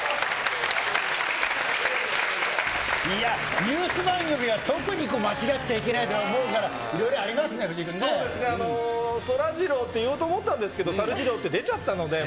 いや、ニュース番組は特に間違っちゃいけないと思うからいろいろありまそうですね、そらジローと言おうと思ったんですけど、さるジローって出ちゃったので。